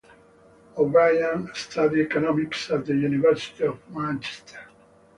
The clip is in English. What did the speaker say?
O'Brien studied economics at the University of Manchester.